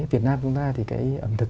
việt nam chúng ta thì cái ẩm thực